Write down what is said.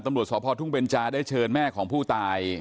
ตำรวจสพทุ่งเบนจาได้เชิญแม่ของผู้ตาย